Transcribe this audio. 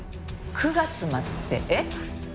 ９月末ってえっ？